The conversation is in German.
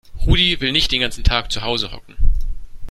Rudi will nicht den ganzen Tag zu Hause hocken.